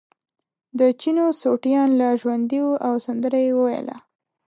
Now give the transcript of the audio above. د چینو سوټیان لا ژوندي وو او سندره یې ویله.